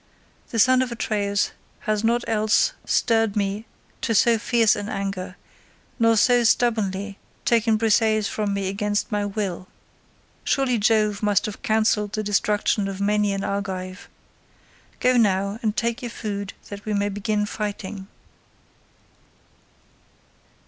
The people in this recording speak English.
The son of Atreus had not else stirred me to so fierce an anger, nor so stubbornly taken Briseis from me against my will. Surely Jove must have counselled the destruction of many an Argive. Go, now, and take your food that we may begin fighting."